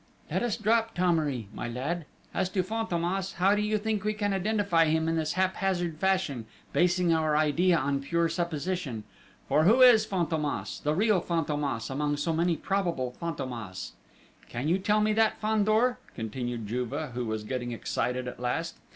"Let us drop Thomery, my lad! As to Fantômas, how do you think we can identify him in this haphazard fashion, basing our idea on pure supposition? ... For, who is Fantômas the real Fantômas, among so many probable Fantômas? "Can you tell me that, Fandor?" continued Juve, who was getting excited at last....